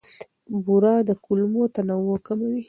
بوره د کولمو تنوع کموي.